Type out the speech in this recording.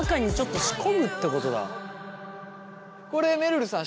これめるるさん